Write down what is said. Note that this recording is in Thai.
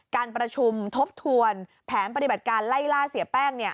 การประชุมทบทวนแผนปฏิบัติการไล่ล่าเสียแป้ง